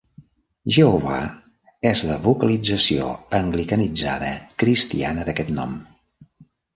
"Jehovah" és la vocalització anglicanitzada cristiana d'aquest nom.